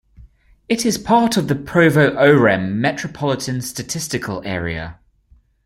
It is part of the Provo-Orem Metropolitan Statistical Area.